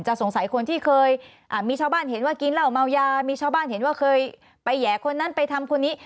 สงสัยคนที่เคยมีชาวบ้านเห็นว่ากินเหล้าเมายามีชาวบ้านเห็นว่าเคยไปแห่คนนั้นไปทำคนนี้